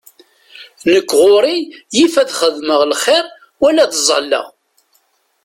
Nek ɣur-i yif ad xedmeɣ lxiṛ wala ad ẓalleɣ.